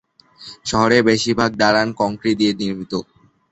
শহরের বেশিরভাগ দালান কংক্রিট দিয়ে নির্মিত।